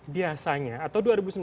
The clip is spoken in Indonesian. biasanya atau dua ribu sembilan belas